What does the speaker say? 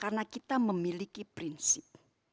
karena kita memiliki prinsip